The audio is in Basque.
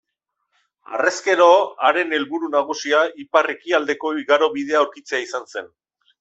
Harrezkero haren helburu nagusia ipar-ekialdeko igarobidea aurkitzea izan zen.